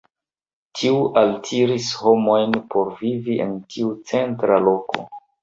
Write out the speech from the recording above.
Tiu altiris homojn por vivi en tiu centra loko.